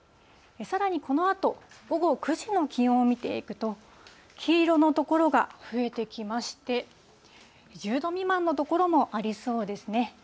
さらにこのあと、午後９時の気温を見ていくと、黄色の所が増えてきまして、１０度未満の所もありそうですね。